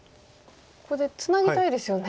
ここでツナぎたいですよね。